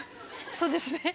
そうですね。